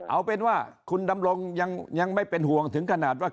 เอาเป็นว่าคุณดำรงยังไม่เป็นห่วงถึงขนาดว่า